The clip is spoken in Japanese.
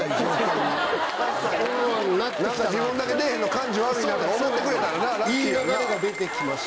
何か自分だけ出ぇへんの感じ悪いなって思ってくれたらラッキーやんな。